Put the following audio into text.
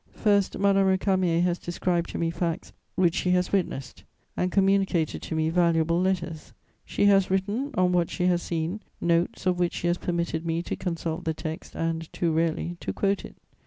First, Madame Récamier has described to me facts which she has witnessed and communicated to me valuable letters. She has written, on what she has seen, notes of which she has permitted me to consult the text and, too rarely, to quote it.